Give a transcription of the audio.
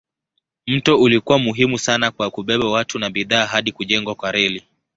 Mto ulikuwa muhimu sana kwa kubeba watu na bidhaa hadi kujengwa kwa reli.